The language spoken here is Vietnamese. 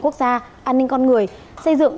quốc gia an ninh con người xây dựng